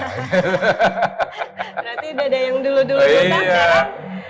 berarti udah ada yang dulu dulu ditangkap